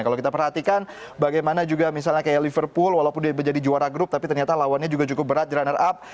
kalau kita perhatikan bagaimana juga misalnya kayak liverpool walaupun dia menjadi juara grup tapi ternyata lawannya juga cukup berat runner up